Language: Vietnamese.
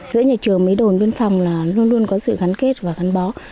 giữa nhà trường với đồn biên phòng là luôn luôn có sự gắn kết và gắn bó